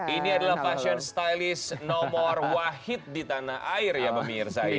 ini adalah fashion stylist nomor wahid di tanah air ya pemirsa ya